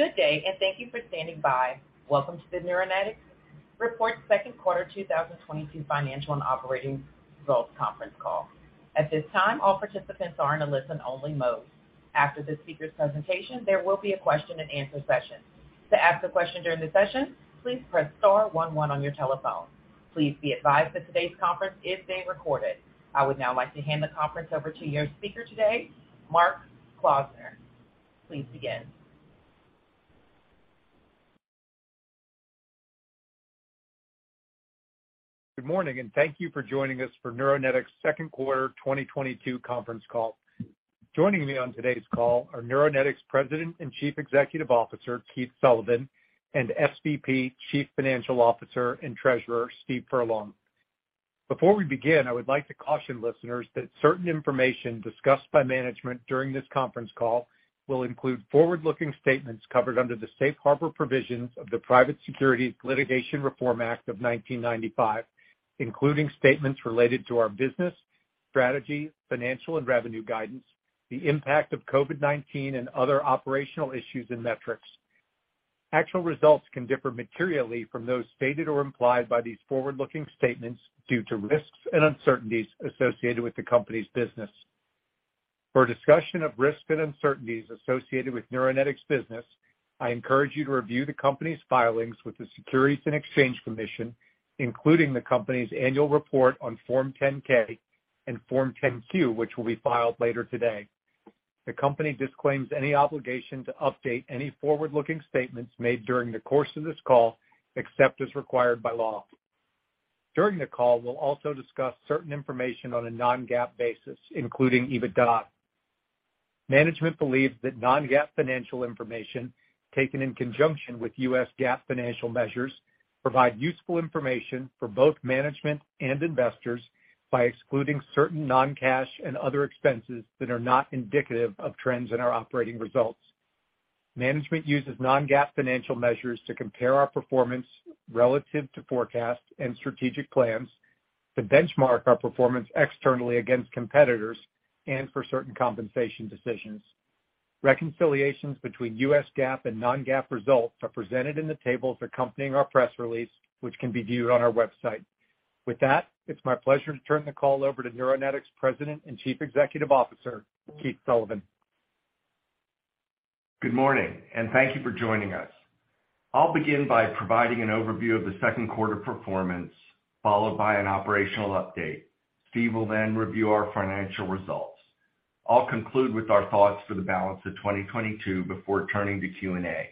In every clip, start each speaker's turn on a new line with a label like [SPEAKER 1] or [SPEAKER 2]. [SPEAKER 1] Good day, and thank you for standing by. Welcome to the Neuronetics’ Report Second Quarter 2022 Financial and Operating Results Conference Call. At this time, all participants are in a listen only mode. After the speaker's presentation, there will be a question and answer session. To ask a question during the session, please press star one one on your telephone. Please be advised that today's conference is being recorded. I would now like to hand the conference over to your speaker today, Mark Klausner. Please begin.
[SPEAKER 2] Good morning, and thank you for joining us for Neuronetics’ Second Quarter 2022 Conference Call. Joining me on today's call are Neuronetics President and Chief Executive Officer, Keith Sullivan, and SVP, Chief Financial Officer and Treasurer, Steve Furlong. Before we begin, I would like to caution listeners that certain information discussed by management during this conference call will include forward-looking statements covered under the safe harbor provisions of the Private Securities Litigation Reform Act of 1995, including statements related to our business, strategy, financial and revenue guidance, the impact of COVID-19 and other operational issues and metrics. Actual results can differ materially from those stated or implied by these forward-looking statements due to risks and uncertainties associated with the company's business. For a discussion of risks and uncertainties associated with Neuronetics business, I encourage you to review the company's filings with the Securities and Exchange Commission, including the company's annual report on Form 10-K and Form 10-Q, which will be filed later today. The company disclaims any obligation to update any forward-looking statements made during the course of this call, except as required by law. During the call, we'll also discuss certain information on a non-GAAP basis, including EBITDA. Management believes that non-GAAP financial information, taken in conjunction with U.S. GAAP financial measures, provide useful information for both management and investors by excluding certain non-cash and other expenses that are not indicative of trends in our operating results. Management uses non-GAAP financial measures to compare our performance relative to forecasts and strategic plans, to benchmark our performance externally against competitors, and for certain compensation decisions. Reconciliations between U.S. GAAP and non-GAAP results are presented in the tables accompanying our press release, which can be viewed on our website. With that, it's my pleasure to turn the call over to Neuronetics President and Chief Executive Officer, Keith Sullivan.
[SPEAKER 3] Good morning, and thank you for joining us. I'll begin by providing an overview of the second quarter performance, followed by an operational update. Steve will then review our financial results. I'll conclude with our thoughts for the balance of 2022 before turning to Q&A.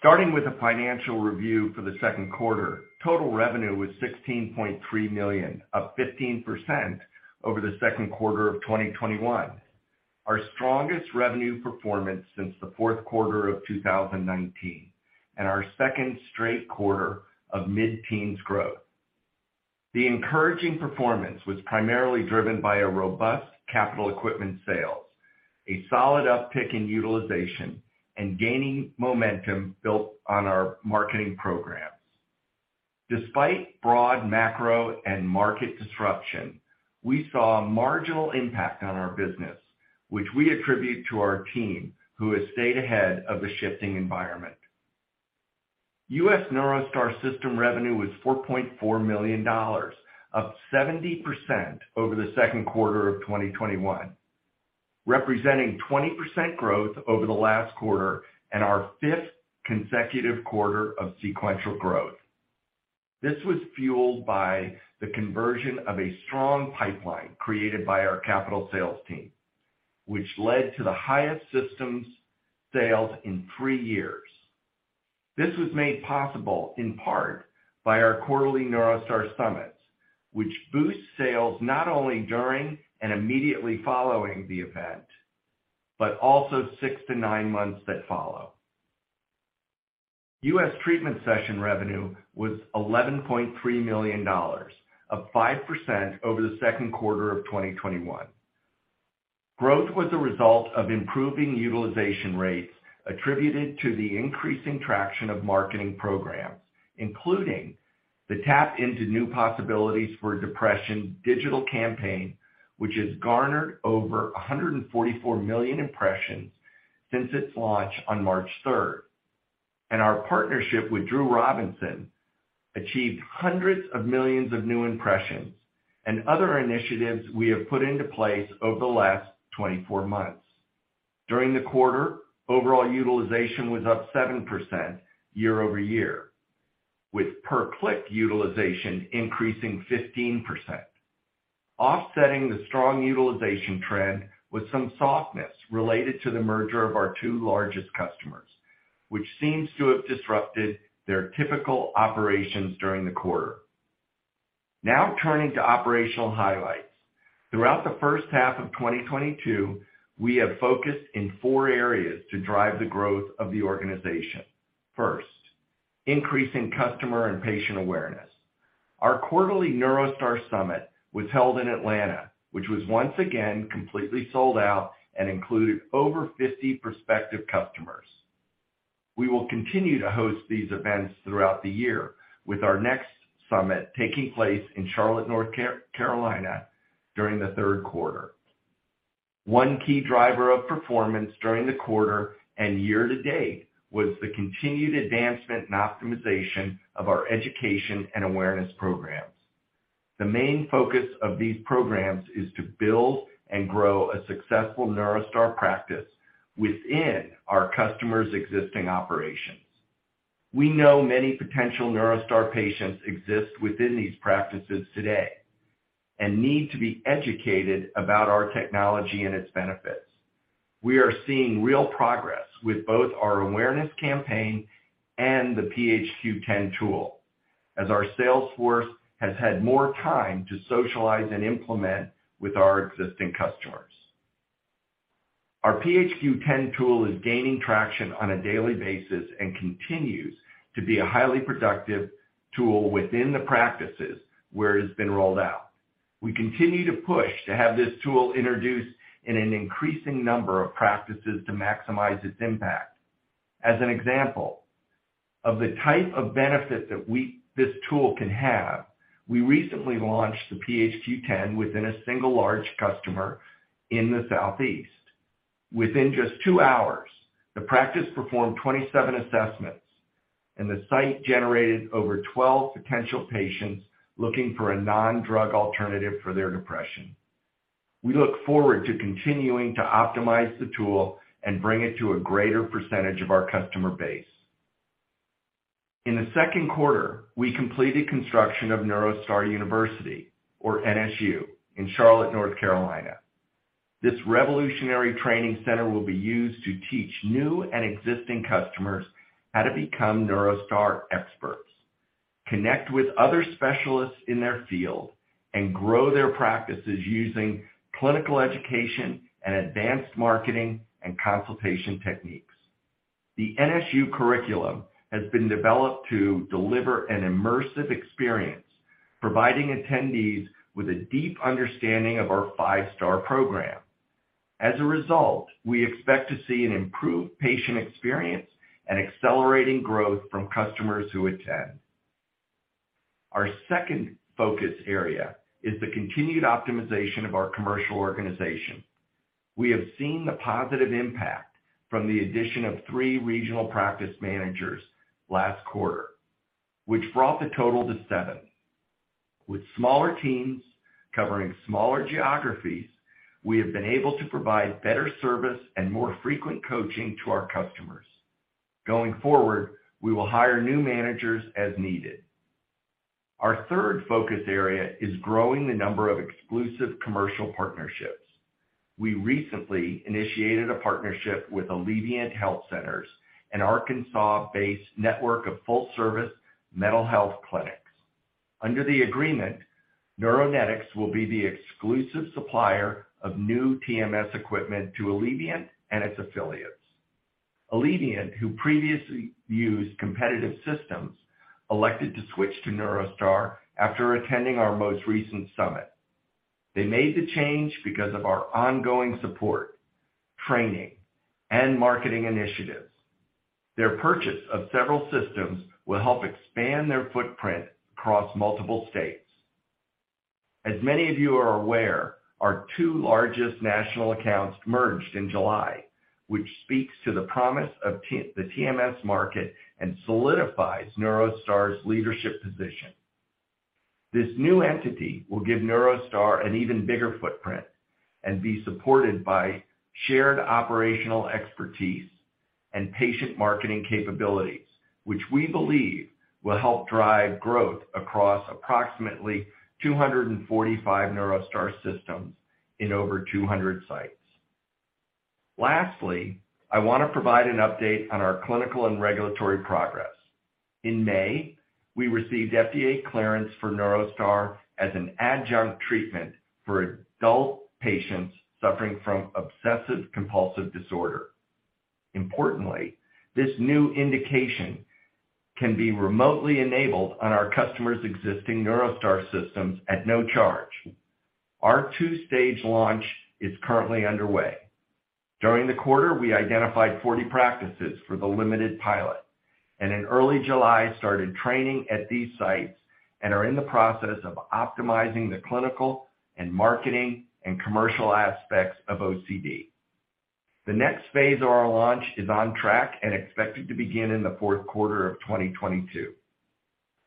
[SPEAKER 3] Starting with the financial review for the second quarter, total revenue was $16.3 million, up 15% over the second quarter of 2021. Our strongest revenue performance since the fourth quarter of 2019, and our second straight quarter of mid-teens growth. The encouraging performance was primarily driven by a robust capital equipment sales, a solid uptick in utilization, and gaining momentum built on our marketing programs. Despite broad macro and market disruption, we saw a marginal impact on our business, which we attribute to our team, who has stayed ahead of the shifting environment. U.S. NeuroStar system revenue was $4.4 million, up 70% over the second quarter of 2021, representing 20% growth over the last quarter and our fifth consecutive quarter of sequential growth. This was fueled by the conversion of a strong pipeline created by our capital sales team, which led to the highest systems sales in three years. This was made possible in part by our quarterly NeuroStar summits, which boost sales not only during and immediately following the event, but also six to nine months that follow. U.S. treatment session revenue was $11.3 million, up 5% over the second quarter of 2021. Growth was a result of improving utilization rates attributed to the increasing traction of marketing programs, including the Tap into New Possibilities for Depression digital campaign, which has garnered over 144 million impressions since its launch on March 3rd. Our partnership with Drew Robinson achieved hundreds of millions of new impressions and other initiatives we have put into place over the last 24 months. During the quarter, overall utilization was up 7% year-over-year, with per-click utilization increasing 15%. Offsetting the strong utilization trend with some softness related to the merger of our two largest customers, which seems to have disrupted their typical operations during the quarter. Now turning to operational highlights. Throughout the first half of 2022, we have focused on four areas to drive the growth of the organization. First, increasing customer and patient awareness. Our quarterly NeuroStar summit was held in Atlanta, which was once again completely sold out and included over 50 prospective customers. We will continue to host these events throughout the year with our next summit taking place in Charlotte, North Carolina during the third quarter. One key driver of performance during the quarter and year to date was the continued advancement and optimization of our education and awareness programs. The main focus of these programs is to build and grow a successful NeuroStar practice within our customers' existing operations. We know many potential NeuroStar patients exist within these practices today and need to be educated about our technology and its benefits. We are seeing real progress with both our awareness campaign and the PHQ-10 tool as our sales force has had more time to socialize and implement with our existing customers. Our PHQ-10 tool is gaining traction on a daily basis and continues to be a highly productive tool within the practices where it's been rolled out. We continue to push to have this tool introduced in an increasing number of practices to maximize its impact. As an example of the type of benefit that this tool can have, we recently launched the PHQ-10 within a single large customer in the Southeast. Within just two hours, the practice performed 27 assessments and the site generated over 12 potential patients looking for a non-drug alternative for their depression. We look forward to continuing to optimize the tool and bring it to a greater percentage of our customer base. In the second quarter, we completed construction of NeuroStar University or NSU in Charlotte, North Carolina. This revolutionary training center will be used to teach new and existing customers how to become NeuroStar experts, connect with other specialists in their field, and grow their practices using clinical education and advanced marketing and consultation techniques. The NSU curriculum has been developed to deliver an immersive experience, providing attendees with a deep understanding of our five-star program. As a result, we expect to see an improved patient experience and accelerating growth from customers who attend. Our second focus area is the continued optimization of our commercial organization. We have seen the positive impact from the addition of three regional practice managers last quarter, which brought the total to seven. With smaller teams covering smaller geographies, we have been able to provide better service and more frequent coaching to our customers. Going forward, we will hire new managers as needed. Our third focus area is growing the number of exclusive commercial partnerships. We recently initiated a partnership with Alleviant Health Centers, an Arkansas-based network of full-service mental health clinics. Under the agreement, Neuronetics will be the exclusive supplier of new TMS equipment to Alleviant and its affiliates. Alleviant, who previously used competitive systems, elected to switch to NeuroStar after attending our most recent summit. They made the change because of our ongoing support, training, and marketing initiatives. Their purchase of several systems will help expand their footprint across multiple states. As many of you are aware, our two largest national accounts merged in July, which speaks to the promise of the TMS market and solidifies NeuroStar's leadership position. This new entity will give NeuroStar an even bigger footprint and be supported by shared operational expertise and patient marketing capabilities, which we believe will help drive growth across approximately 245 NeuroStar systems in over 200 sites. Lastly, I wanna provide an update on our clinical and regulatory progress. In May, we received FDA clearance for NeuroStar as an adjunct treatment for adult patients suffering from obsessive compulsive disorder. Importantly, this new indication can be remotely enabled on our customers' existing NeuroStar systems at no charge. Our two-stage launch is currently underway. During the quarter, we identified 40 practices for the limited pilot, and in early July, started training at these sites and are in the process of optimizing the clinical and marketing and commercial aspects of OCD. The next phase of our launch is on track and expected to begin in the fourth quarter of 2022.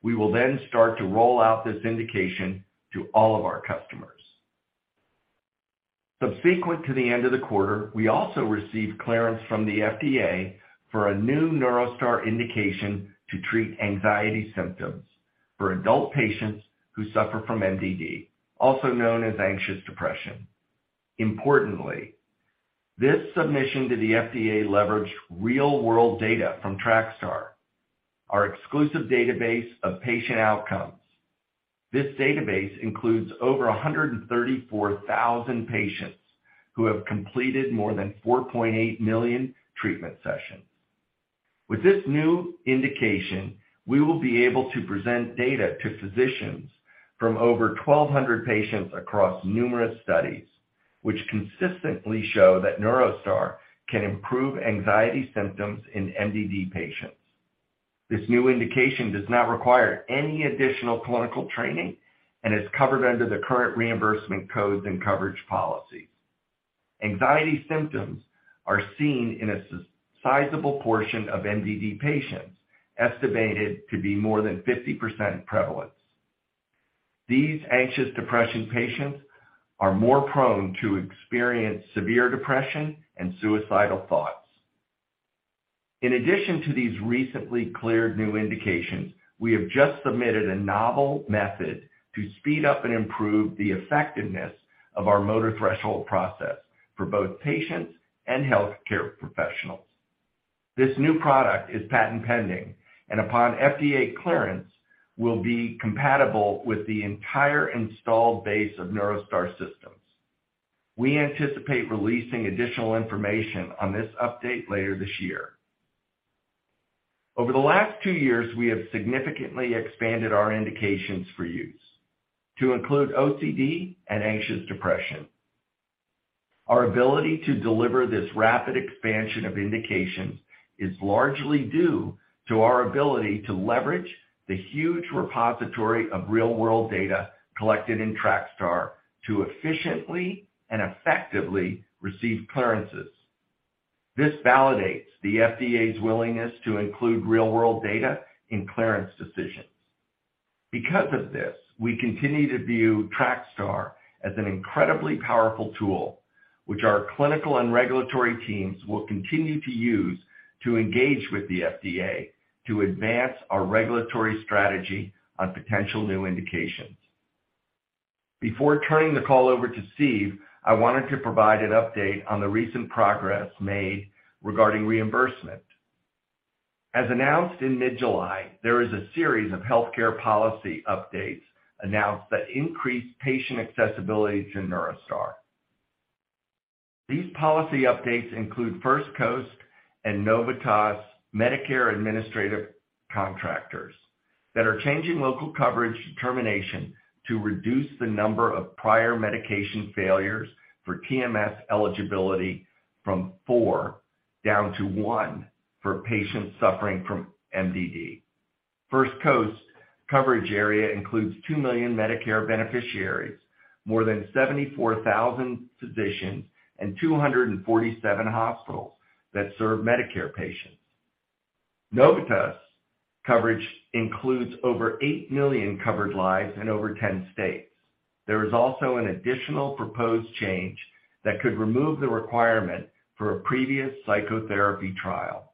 [SPEAKER 3] We will then start to roll out this indication to all of our customers. Subsequent to the end of the quarter, we also received clearance from the FDA for a new NeuroStar indication to treat anxiety symptoms for adult patients who suffer from MDD, also known as anxious depression. Importantly, this submission to the FDA leveraged real-world data from TrakStar, our exclusive database of patient outcomes. This database includes over 134,000 patients who have completed more than 4.8 million treatment sessions. With this new indication, we will be able to present data to physicians from over 1,200 patients across numerous studies, which consistently show that NeuroStar can improve anxiety symptoms in MDD patients. This new indication does not require any additional clinical training and is covered under the current reimbursement codes and coverage policies. Anxiety symptoms are seen in a sizable portion of MDD patients, estimated to be more than 50% prevalence. These anxious depression patients are more prone to experience severe depression and suicidal thoughts. In addition to these recently cleared new indications, we have just submitted a novel method to speed up and improve the effectiveness of our motor threshold process for both patients and healthcare professionals. This new product is patent-pending, and upon FDA clearance, will be compatible with the entire installed base of NeuroStar systems. We anticipate releasing additional information on this update later this year. Over the last two years, we have significantly expanded our indications for use to include OCD and anxious depression. Our ability to deliver this rapid expansion of indications is largely due to our ability to leverage the huge repository of real-world data collected in TrakStar to efficiently and effectively receive clearances. This validates the FDA's willingness to include real-world data in clearance decisions. Because of this, we continue to view TrakStar as an incredibly powerful tool, which our clinical and regulatory teams will continue to use to engage with the FDA to advance our regulatory strategy on potential new indications. Before turning the call over to Steve, I wanted to provide an update on the recent progress made regarding reimbursement. As announced in mid-July, there is a series of healthcare policy updates announced that increase patient accessibility to NeuroStar. These policy updates include First Coast and Novitas Medicare Administrative Contractors that are changing local coverage determination to reduce the number of prior medication failures for TMS eligibility from four down to one for patients suffering from MDD. First Coast coverage area includes two million Medicare beneficiaries, more than 74,000 physicians, and 247 hospitals that serve Medicare patients. Novitas coverage includes over eight million covered lives in over 10 states. There is also an additional proposed change that could remove the requirement for a previous psychotherapy trial.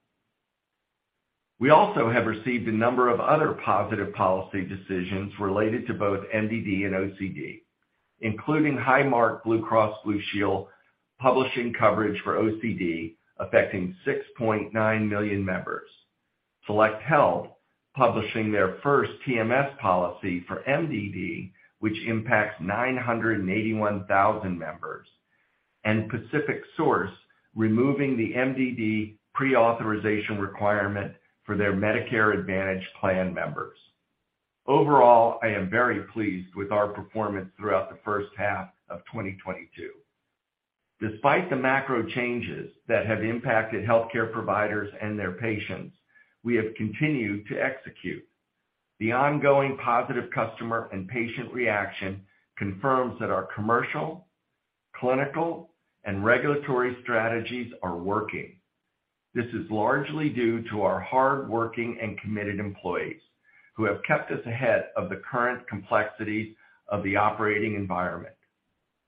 [SPEAKER 3] We also have received a number of other positive policy decisions related to both MDD and OCD, including Highmark Blue Cross Blue Shield publishing coverage for OCD affecting 6.9 million members. SelectHealth publishing their first TMS policy for MDD, which impacts 981,000 members, and PacificSource removing the MDD pre-authorization requirement for their Medicare Advantage plan members. Overall, I am very pleased with our performance throughout the first half of 2022. Despite the macro changes that have impacted healthcare providers and their patients, we have continued to execute. The ongoing positive customer and patient reaction confirms that our commercial, clinical, and regulatory strategies are working. This is largely due to our hardworking and committed employees who have kept us ahead of the current complexities of the operating environment.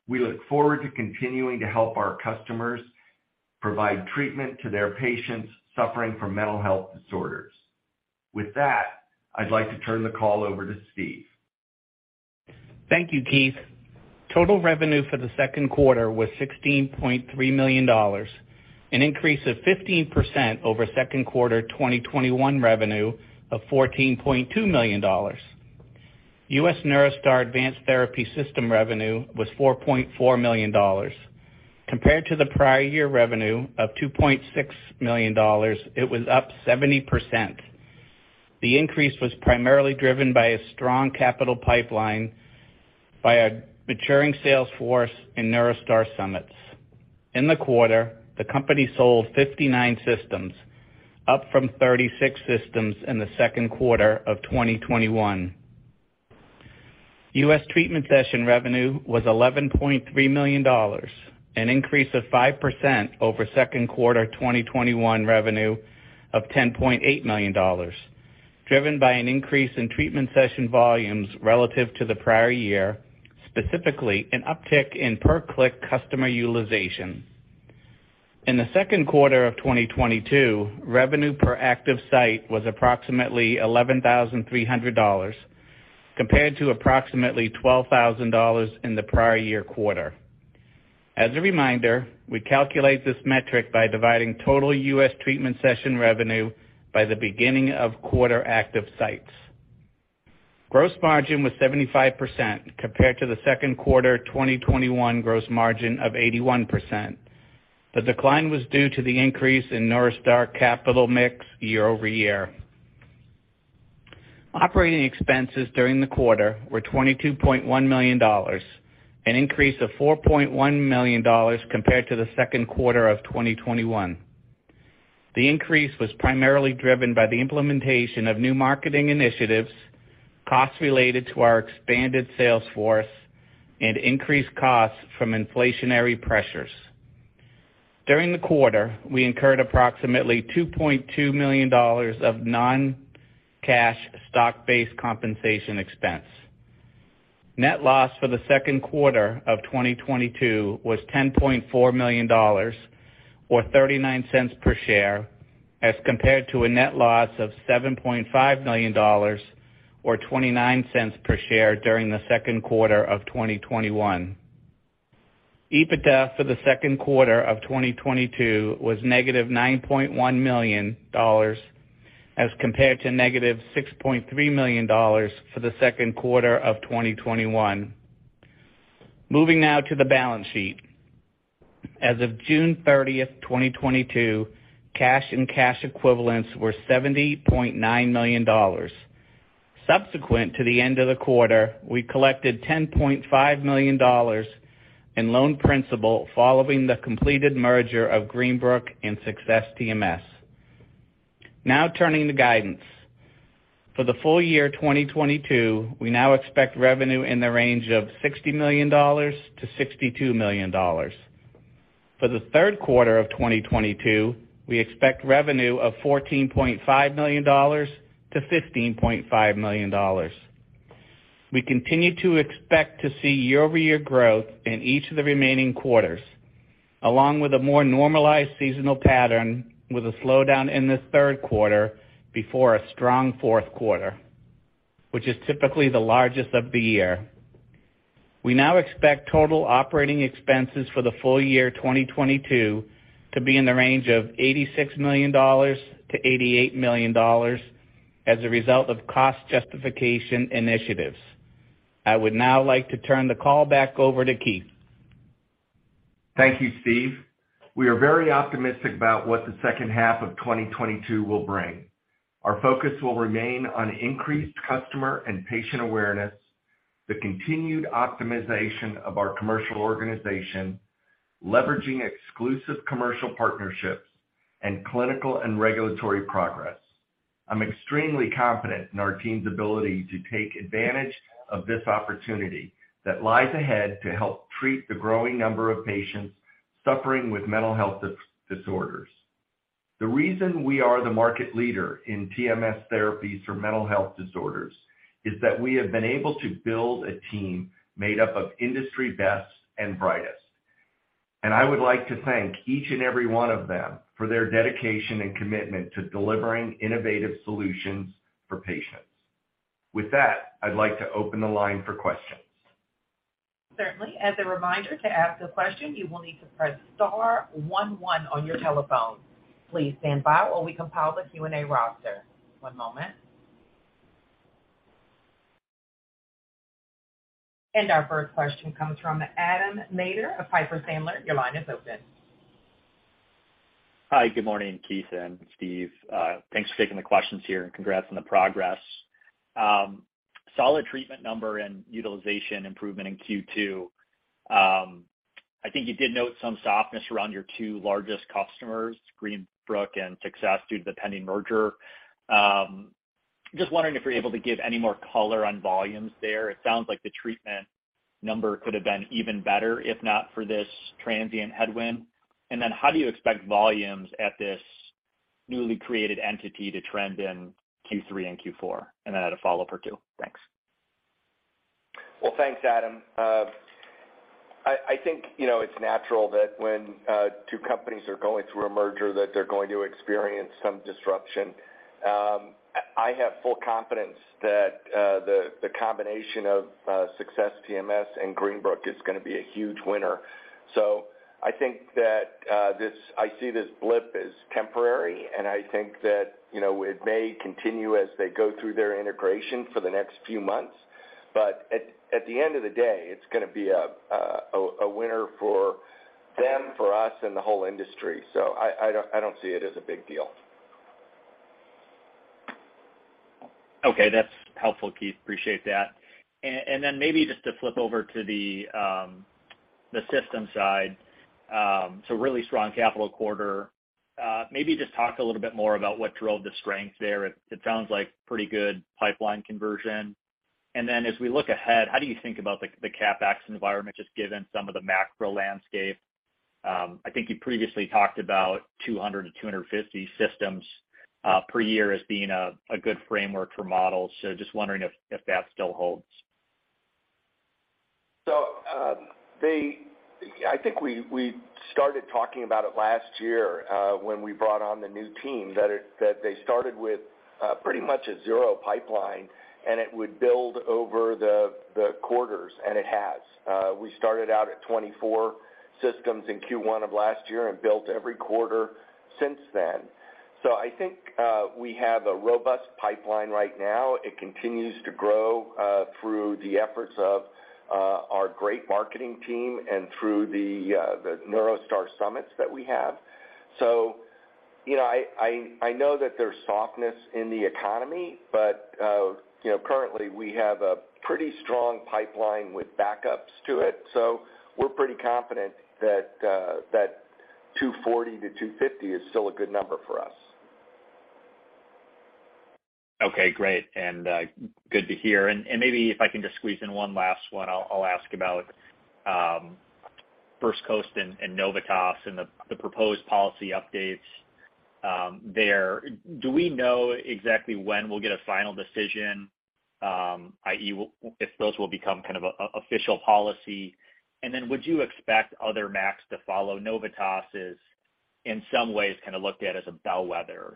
[SPEAKER 3] We look forward to continuing to help our customers provide treatment to their patients suffering from mental health disorders. With that, I'd like to turn the call over to Steve.
[SPEAKER 4] Thank you, Keith. Total revenue for the second quarter was $16.3 million, an increase of 15% over second quarter 2021 revenue of $14.2 million. U.S. NeuroStar Advanced Therapy System revenue was $4.4 million. Compared to the prior year revenue of $2.6 million, it was up 70%. The increase was primarily driven by a strong capital pipeline by a maturing sales force and NeuroStar summits. In the quarter, the company sold 59 systems, up from 36 systems in the second quarter of 2021. U.S. treatment session revenue was $11.3 million, an increase of 5% over second quarter 2021 revenue of $10.8 million, driven by an increase in treatment session volumes relative to the prior year, specifically an uptick in per-click customer utilization. In the second quarter of 2022, revenue per active site was approximately $11,300 compared to approximately $12,000 in the prior year quarter. As a reminder, we calculate this metric by dividing total U.S. treatment session revenue by the beginning of quarter active sites. Gross margin was 75% compared to the second quarter 2021 gross margin of 81%. The decline was due to the increase in NeuroStar capital mix year-over-year. Operating expenses during the quarter were $22.1 million, an increase of $4.1 million compared to the second quarter of 2021. The increase was primarily driven by the implementation of new marketing initiatives, costs related to our expanded sales force, and increased costs from inflationary pressures. During the quarter, we incurred approximately $2.2 million of non-cash stock-based compensation expense. Net loss for the second quarter of 2022 was $10.4 million or $0.39 per share, as compared to a net loss of $7.5 million or $0.29 per share during the second quarter of 2021. EBITDA for the second quarter of 2022 was negative $9.1 million as compared to negative $6.3 million for the second quarter of 2021. Moving now to the balance sheet. As of June 30, 2022, cash and cash equivalents were $70.9 million. Subsequent to the end of the quarter, we collected $10.5 million in loan principal following the completed merger of Greenbrook and Success TMS. Now turning to guidance. For the full year 2022, we now expect revenue in the range of $60 million-$62 million. For the third quarter of 2022, we expect revenue of $14.5 million-$15.5 million. We continue to expect to see year-over-year growth in each of the remaining quarters, along with a more normalized seasonal pattern with a slowdown in this third quarter before a strong fourth quarter, which is typically the largest of the year. We now expect total operating expenses for the full year 2022 to be in the range of $86 million-$88 million as a result of cost justification initiatives. I would now like to turn the call back over to Keith.
[SPEAKER 3] Thank you, Steve. We are very optimistic about what the second half of 2022 will bring. Our focus will remain on increased customer and patient awareness, the continued optimization of our commercial organization, leveraging exclusive commercial partnerships, and clinical and regulatory progress. I'm extremely confident in our team's ability to take advantage of this opportunity that lies ahead to help treat the growing number of patients suffering with mental health disorders. The reason we are the market leader in TMS therapies for mental health disorders is that we have been able to build a team made up of industry best and brightest. I would like to thank each and every one of them for their dedication and commitment to delivering innovative solutions for patients. With that, I'd like to open the line for questions.
[SPEAKER 1] Certainly. As a reminder, to ask a question, you will need to press star one one on your telephone. Please stand by while we compile the Q&A roster. One moment. Our first question comes from Adam Maeder of Piper Sandler. Your line is open.
[SPEAKER 5] Hi, good morning, Keith and Steve. Thanks for taking the questions here, and congrats on the progress. Solid treatment number and utilization improvement in Q2. I think you did note some softness around your two largest customers, Greenbrook and Success, due to the pending merger. Just wondering if you're able to give any more color on volumes there. It sounds like the treatment number could have been even better if not for this transient headwind. How do you expect volumes at this newly created entity to trend in Q3 and Q4? I had a follow-up or two. Thanks.
[SPEAKER 3] Well, thanks, Adam. I think, you know, it's natural that when two companies are going through a merger that they're going to experience some disruption. I have full confidence that the combination of Success TMS and Greenbrook is gonna be a huge winner. I think that I see this blip as temporary, and I think that, you know, it may continue as they go through their integration for the next few months. At the end of the day, it's gonna be a winner for them, for us, and the whole industry. I don't see it as a big deal.
[SPEAKER 5] Okay, that's helpful, Keith. Appreciate that. Then maybe just to flip over to the system side. Really strong capital quarter. Maybe just talk a little bit more about what drove the strength there. It sounds like pretty good pipeline conversion. Then as we look ahead, how do you think about the CapEx environment, just given some of the macro landscape? I think you previously talked about 200–250 systems per year as being a good framework for models. Just wondering if that still holds.
[SPEAKER 3] I think we started talking about it last year when we brought on the new team that they started with pretty much a zero pipeline, and it would build over the quarters, and it has. We started out at 24 systems in Q1 of last year and built every quarter since then. I think we have a robust pipeline right now. It continues to grow through the efforts of our great marketing team and through the NeuroStar summits that we have. You know, I know that there's softness in the economy, but you know, currently we have a pretty strong pipeline with backups to it. We're pretty confident that 240–250 is still a good number for us.
[SPEAKER 5] Okay, great. Good to hear. Maybe if I can just squeeze in one last one, I'll ask about First Coast and Novitas and the proposed policy updates there. Do we know exactly when we'll get a final decision, i.e., if those will become kind of official policy? Would you expect other MACs to follow? Novitas is, in some ways, kind of looked at as a bellwether.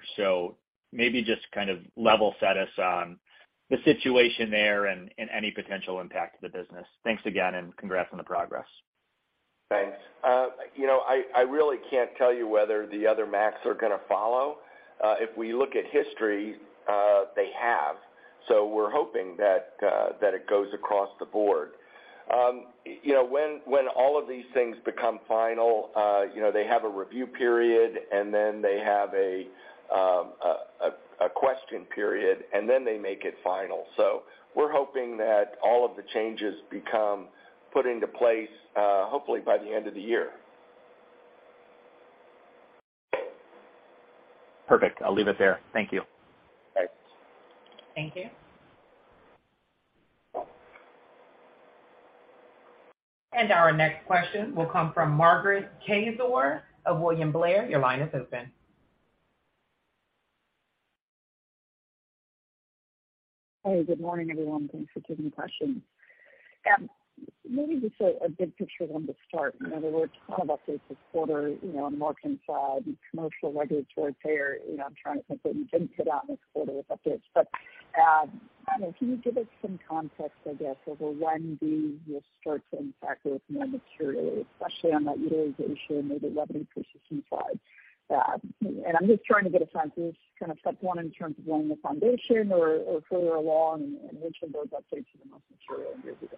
[SPEAKER 5] Maybe just kind of level set us on the situation there and any potential impact to the business. Thanks again, and congrats on the progress.
[SPEAKER 3] Thanks. You know, I really can't tell you whether the other MACs are gonna follow. If we look at history, they have. We're hoping that it goes across the board. You know, when all of these things become final, they have a review period, and then they have a question period, and then they make it final. We're hoping that all of the changes become put into place, hopefully by the end of the year.
[SPEAKER 5] Perfect. I'll leave it there. Thank you.
[SPEAKER 3] Thanks.
[SPEAKER 1] Thank you. Our next question will come from Margaret Kaczor of William Blair. Your line is open.
[SPEAKER 6] Hey, good morning, everyone. Thanks for taking the questions. Maybe just a big picture one to start. You know, there were a ton of updates this quarter, you know, on the marketing side, the commercial, regulatory front. You know, I'm trying to think what you didn't put out this quarter with updates. I don't know, can you give us some context, I guess, over when these will start to impact both more materially, especially on that utilization or the revenue per system side? I'm just trying to get a sense if this is kind of step one in terms of laying the foundation or further along and which of those updates are the most material here to go.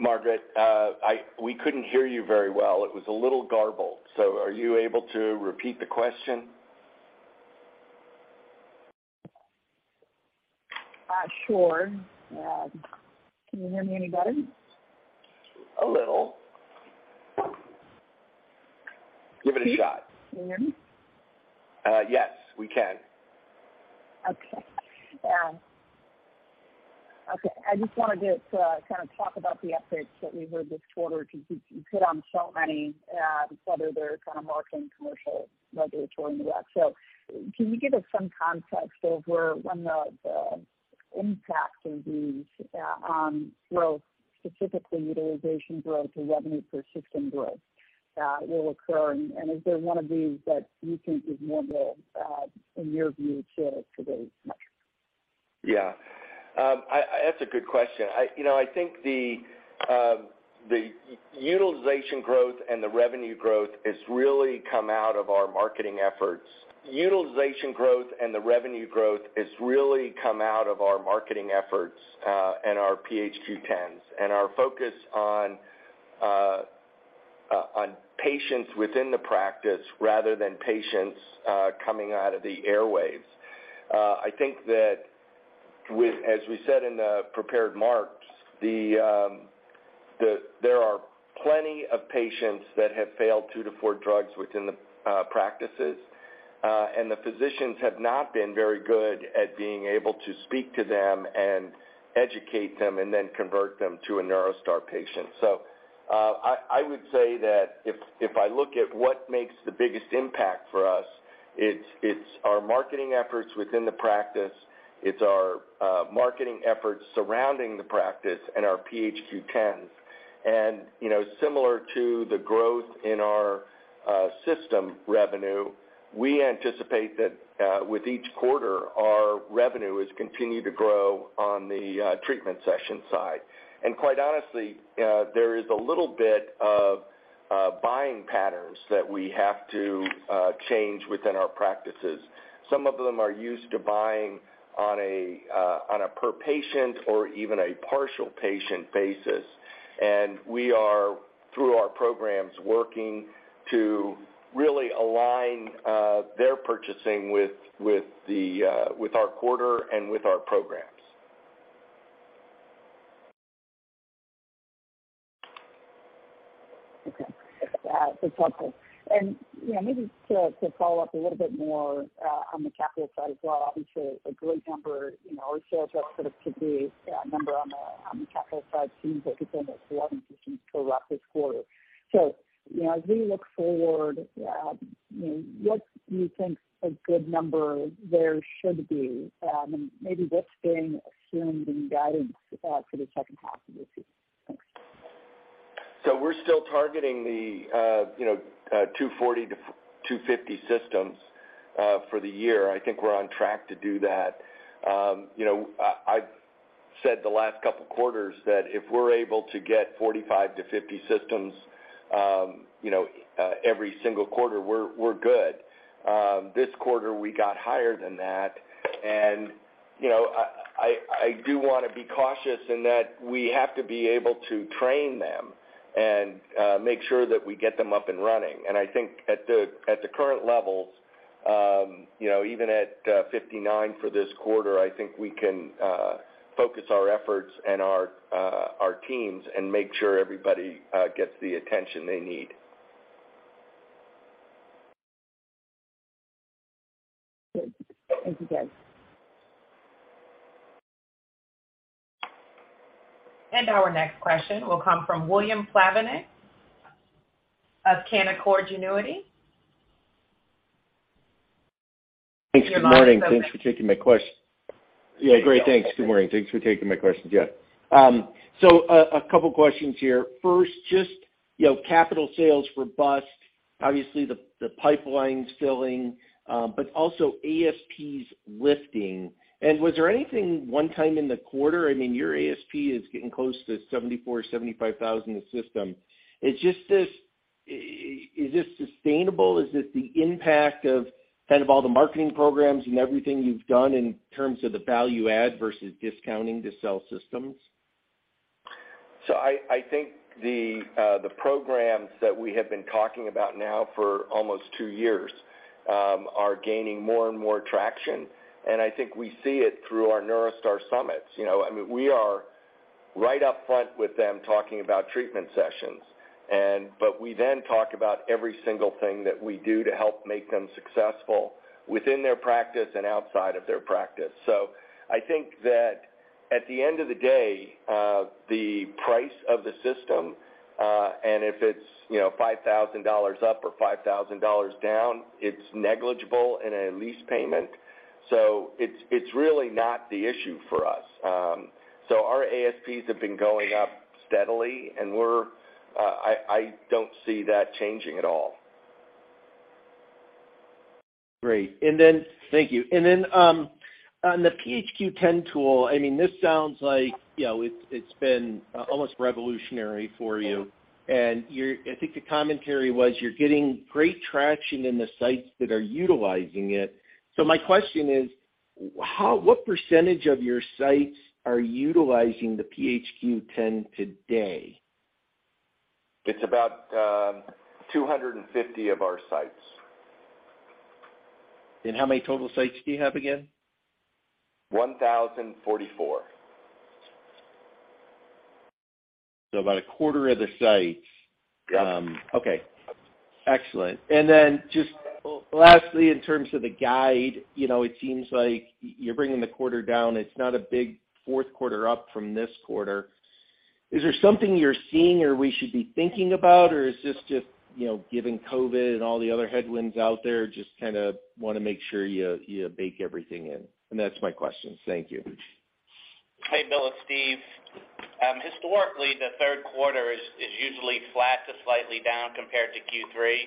[SPEAKER 3] Margaret, we couldn't hear you very well. It was a little garbled. Are you able to repeat the question?
[SPEAKER 6] Sure. Can you hear me any better?
[SPEAKER 3] A little. Give it a shot.
[SPEAKER 6] Can you hear me?
[SPEAKER 3] Yes, we can.
[SPEAKER 6] Okay. I just wanted to kind of talk about the updates that we heard this quarter, because you put on so many, whether they're kind of marketing, commercial, regulatory, and the rest. Can you give us some context of where one of the impacts of these on growth, specifically utilization growth or revenue per system growth, will occur? Is there one of these that you think is more bold in your view to date much?
[SPEAKER 3] Yeah. That's a good question. You know, I think the utilization growth and the revenue growth has really come out of our marketing efforts and our PHQ-10s and our focus on patients within the practice rather than patients coming out of the airwaves. I think that with, as we said in the prepared remarks, there are plenty of patients that have failed two to four drugs within the practices and the physicians have not been very good at being able to speak to them and educate them and then convert them to a NeuroStar patient. I would say that if I look at what makes the biggest impact for us, it's our marketing efforts within the practice. It's our marketing efforts surrounding the practice and our PHQ-10s. You know, similar to the growth in our system revenue, we anticipate that with each quarter, our revenue has continued to grow on the treatment session side. Quite honestly, there is a little bit of buying patterns that we have to change within our practices. Some of them are used to buying on a per-patient or even a partial patient basis. We are, through our programs, working to really align their purchasing with our quarter and with our programs.
[SPEAKER 6] Okay. That's helpful. You know, maybe to follow up a little bit more on the capital side as well, obviously, a great number, you know, or sales rep sort of to-date number on the capital side seems like it's been a strong position throughout this quarter. You know, as we look forward, you know, what do you think a good number there should be? And maybe what's being assumed in guidance for the second half of this year? Thanks.
[SPEAKER 3] We're still targeting the you know 240–250 systems for the year. I think we're on track to do that. You know, I've said the last couple quarters that if we're able to get 45–50 systems you know every single quarter, we're good. This quarter, we got higher than that. You know, I do wanna be cautious in that we have to be able to train them and make sure that we get them up and running. I think at the current levels, you know, even at 59 for this quarter, I think we can focus our efforts and our teams and make sure everybody gets the attention they need.
[SPEAKER 6] Good. Thank you, guys.
[SPEAKER 1] Our next question will come from William Plovanic of Canaccord Genuity.
[SPEAKER 7] Thanks, good morning.
[SPEAKER 1] Your line is open.
[SPEAKER 7] Yeah, great. Thanks. Good morning. Thanks for taking my questions. Yeah. So a couple questions here. First, just, you know, capital sales forecast, obviously the pipeline's filling, but also ASPs lifting. Was there anything one-time in the quarter? I mean, your ASP is getting close to $74,000-$75,000 a system. It's just this. Is this sustainable? Is it the impact of kind of all the marketing programs and everything you've done in terms of the value add versus discounting to sell systems?
[SPEAKER 3] I think the programs that we have been talking about now for almost two years are gaining more and more traction. I think we see it through our NeuroStar summits. You know, I mean, we are right up front with them talking about treatment sessions, but we then talk about every single thing that we do to help make them successful within their practice and outside of their practice. I think that at the end of the day, the price of the system, and if it's, you know, $5,000 up or $5,000 down, it's negligible in a lease payment. It's really not the issue for us. Our ASPs have been going up steadily, and I don't see that changing at all.
[SPEAKER 7] On the PHQ-10 tool, I mean, this sounds like, you know, it's been almost revolutionary for you. I think the commentary was you're getting great traction in the sites that are utilizing it. My question is, what percentage of your sites are utilizing the PHQ-10 today?
[SPEAKER 3] It's about 250 of our sites.
[SPEAKER 7] How many total sites do you have again?
[SPEAKER 3] 1,044.
[SPEAKER 7] About a quarter of the sites.
[SPEAKER 3] Yeah.
[SPEAKER 7] Okay. Excellent. Then just lastly, in terms of the guide, you know, it seems like you're bringing the quarter down. It's not a big fourth quarter up from this quarter. Is there something you're seeing or we should be thinking about, or is this just, you know, given COVID and all the other headwinds out there, just kinda wanna make sure you bake everything in? That's my questions. Thank you.
[SPEAKER 4] Hey, Bill, it's Steve. Historically, the third quarter is usually flat to slightly down compared to Q3.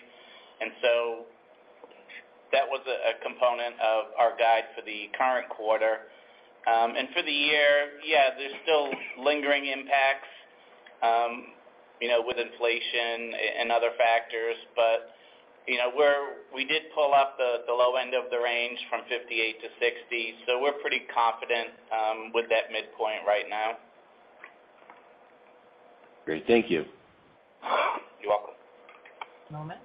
[SPEAKER 4] That was a component of our guide for the current quarter. For the year, yeah, there's still lingering impacts, you know, with inflation and other factors. You know, we did pull up the low end of the range from $58 million-$60 million, so we're pretty confident with that midpoint right now.
[SPEAKER 7] Great. Thank you.
[SPEAKER 4] You're welcome.
[SPEAKER 1] One moment.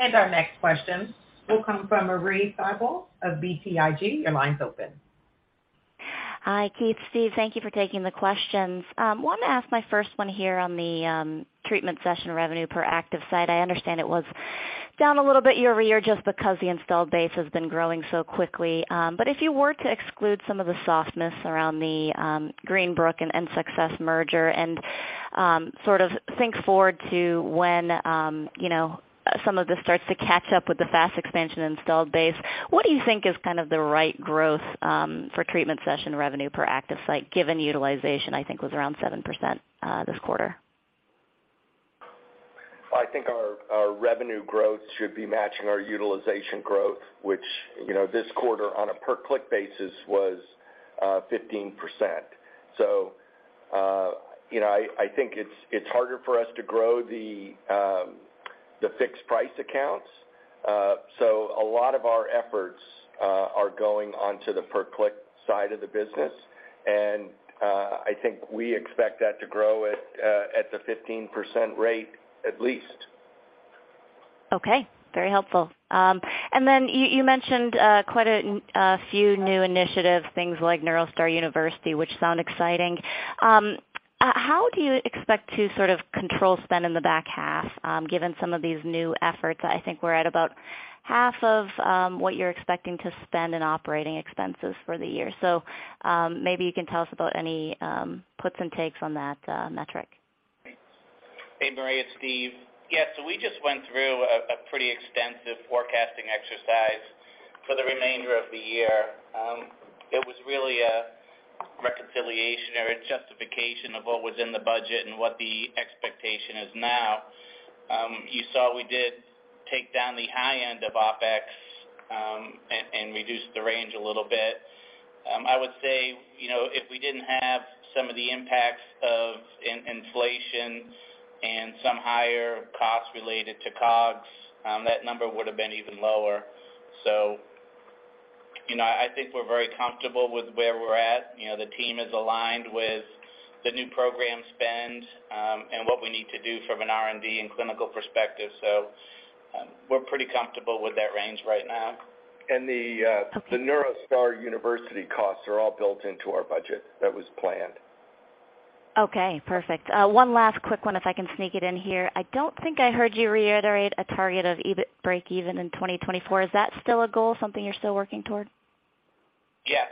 [SPEAKER 1] Our next question will come from Marie Thibault of BTIG. Your line's open.
[SPEAKER 8] Hi, Keith, Steve, thank you for taking the questions. Wanted to ask my first one here on the treatment session revenue per active site. I understand it was down a little bit year-over-year just because the installed base has been growing so quickly. If you were to exclude some of the softness around the Greenbrook and Success merger and sort of think forward to when, you know, some of this starts to catch up with the fast expansion installed base, what do you think is kind of the right growth for treatment session revenue per active site, given utilization, I think, was around 7% this quarter?
[SPEAKER 3] I think our revenue growth should be matching our utilization growth, which, you know, this quarter, on a per click basis, was 15%. I think it's harder for us to grow the fixed price accounts. A lot of our efforts are going onto the per click side of the business, and I think we expect that to grow at the 15% rate, at least.
[SPEAKER 8] Okay. Very helpful. Then you mentioned quite a few new initiatives, things like NeuroStar University, which sound exciting. How do you expect to sort of control spend in the back half, given some of these new efforts? I think we're at about half of what you're expecting to spend in operating expenses for the year. Maybe you can tell us about any puts and takes on that metric.
[SPEAKER 4] Thanks. Hey, Marie, it's Steve. Yeah. We just went through a pretty extensive forecasting exercise for the remainder of the year. It was really a reconciliation or a justification of what was in the budget and what the expectation is now. You saw we did take down the high end of OpEx and reduced the range a little bit. I would say, you know, if we didn't have some of the impacts of inflation and some higher costs related to COGS, that number would have been even lower. You know, I think we're very comfortable with where we're at. You know, the team is aligned with the new program spend and what we need to do from an R&D and clinical perspective. We're pretty comfortable with that range right now.
[SPEAKER 3] The NeuroStar University costs are all built into our budget. That was planned.
[SPEAKER 8] Okay, perfect. One last quick one if I can sneak it in here. I don't think I heard you reiterate a target of break even in 2024. Is that still a goal, something you're still working toward?
[SPEAKER 4] Yes.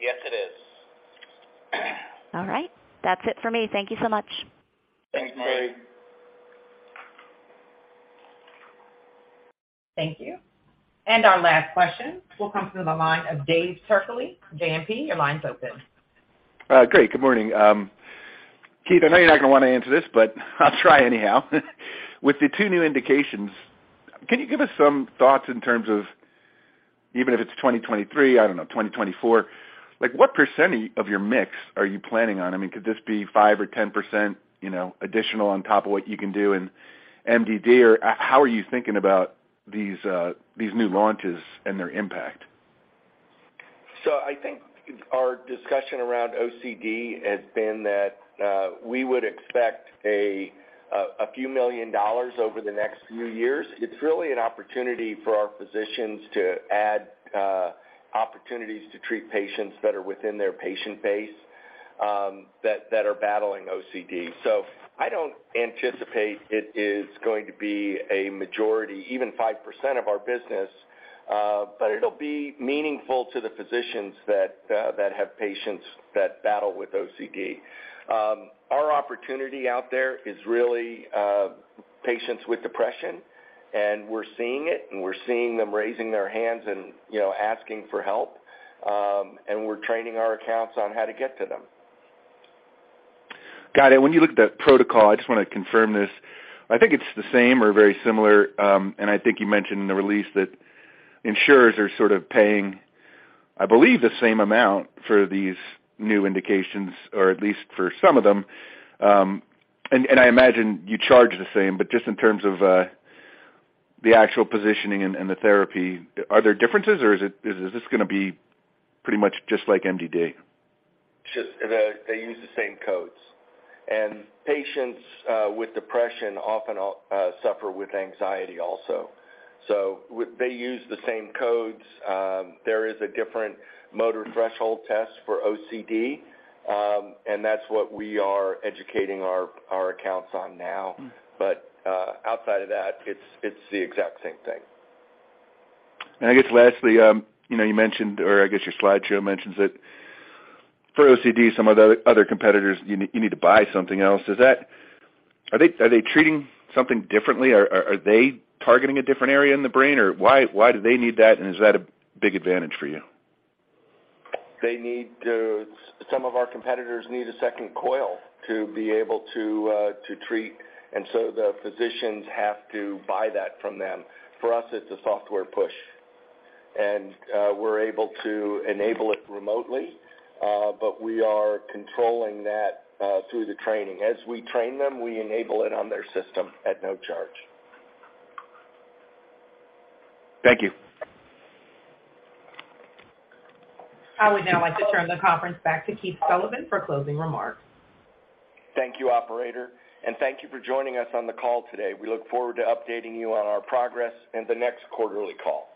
[SPEAKER 4] Yes, it is.
[SPEAKER 8] All right. That's it for me. Thank you so much.
[SPEAKER 4] Thanks, Mary.
[SPEAKER 3] Thanks.
[SPEAKER 1] Thank you. Our last question will come through the line of David Turkaly, JMP. Your line's open.
[SPEAKER 9] Great. Good morning. Keith, I know you're not gonna wanna answer this, but I'll try anyhow. With the two new indications, can you give us some thoughts in terms of, even if it's 2023, I don't know, 2024, like, what percentage of your mix are you planning on? I mean, could this be 5% or 10%, you know, additional on top of what you can do in MDD? Or how are you thinking about these new launches and their impact?
[SPEAKER 3] I think our discussion around OCD has been that we would expect a few million dollars over the next few years. It's really an opportunity for our physicians to add opportunities to treat patients that are within their patient base, that are battling OCD. I don't anticipate it is going to be a majority, even 5% of our business, but it'll be meaningful to the physicians that have patients that battle with OCD. Our opportunity out there is really patients with depression, and we're seeing it, and we're seeing them raising their hands and, you know, asking for help, and we're training our accounts on how to get to them.
[SPEAKER 9] Got it. When you look at the protocol, I just wanna confirm this. I think it's the same or very similar, and I think you mentioned in the release that insurers are sort of paying, I believe, the same amount for these new indications or at least for some of them. And I imagine you charge the same, but just in terms of, the actual positioning and the therapy, are there differences, or is this gonna be pretty much just like MDD?
[SPEAKER 3] They use the same codes. Patients with depression often suffer with anxiety also. There is a different motor threshold test for OCD, and that's what we are educating our accounts on now. Outside of that, it's the exact same thing.
[SPEAKER 9] I guess lastly, you know, you mentioned, or I guess your slideshow mentions that for OCD, some of the other competitors, you need to buy something else. Is that? Are they treating something differently? Are they targeting a different area in the brain? Or why do they need that, and is that a big advantage for you?
[SPEAKER 3] Some of our competitors need a second coil to be able to treat. The physicians have to buy that from them. For us, it's a software push. We're able to enable it remotely, but we are controlling that through the training. As we train them, we enable it on their system at no charge.
[SPEAKER 9] Thank you.
[SPEAKER 1] I would now like to turn the conference back to Keith Sullivan for closing remarks.
[SPEAKER 3] Thank you, operator, and thank you for joining us on the call today. We look forward to updating you on our progress in the next quarterly call.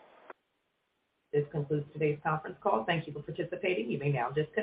[SPEAKER 1] This concludes today's conference call. Thank you for participating. You may now disconnect.